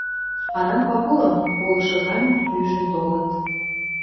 Анан Пагулым, колышы ганьым, ӱжӹн толыт.